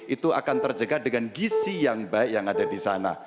itu akan terjaga dengan gisi yang baik yang ada di sana